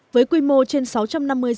với quy mô trên sáu trăm năm mươi triệu đồng